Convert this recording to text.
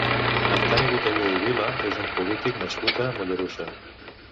Antoni Botellé i Vila és un polític nascut a Mollerussa.